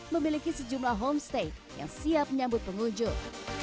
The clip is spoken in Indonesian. memiliki sejumlah homestay yang siap menyambut pengunjung